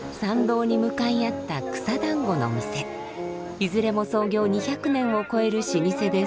いずれも創業２００年を超える老舗です。